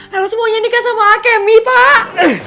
harus mau nyadikan sama akemi pak